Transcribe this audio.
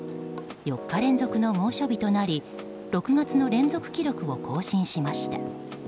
４日連続の猛暑日となり６月の連続記録を更新しました。